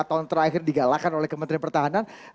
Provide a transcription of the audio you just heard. yang lima tahun terakhir digalakkan oleh kementerian pertahanan